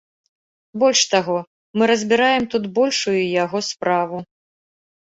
Больш таго, мы разбіраем тут большую яго справу.